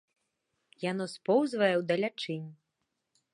Яно споўзвае ў далячынь.